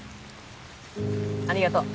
ありがとう！